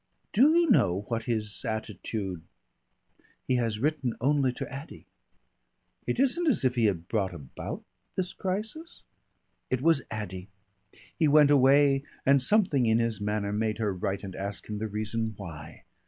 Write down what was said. "Do you know what his attitude " "He has written only to Addy." "It isn't as if he had brought about this crisis?" "It was Addy. He went away and something in his manner made her write and ask him the reason why.